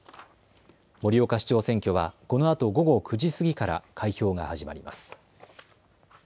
盛岡市長選挙はこのあと午後９時過ぎから開票が始まります。